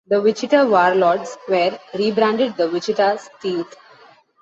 The Wichita Warlords were rebranded the Wichita Stealth.